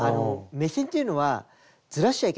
目線っていうのはずらしちゃいけないんですね。